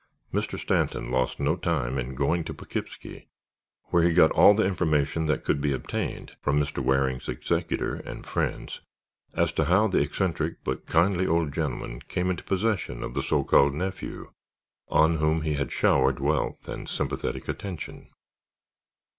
Mr. Stanton lost no time in going to Poughkeepsie where he got all the information that could be obtained from Mr. Waring's executor and friends as to how the eccentric but kindly old gentleman came into possession of the so called nephew on whom he had showered wealth and sympathetic attention.